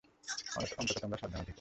অন্তত, তোমরা সাবধানে থাকো।